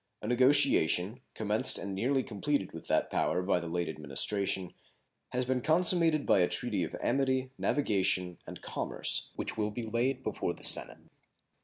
A negotiation, commenced and nearly completed with that power by the late Administration, has been consummated by a treaty of amity, navigation, and commerce, which will be laid before the Senate.